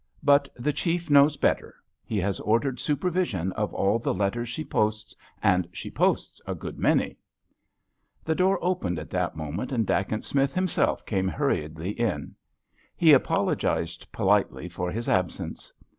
But the Chief knows better. He has ordered supervision of all the letters she posts, and she posts a good many." The door opened at that moment and Dacent Smith himself came hurriedly in. He apologised politely for his absence.